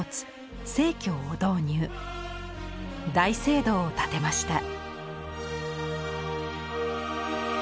大聖堂を建てました。